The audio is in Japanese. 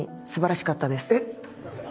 えっ？